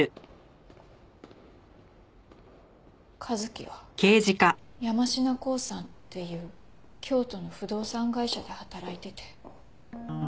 和樹は山科興産っていう京都の不動産会社で働いてて。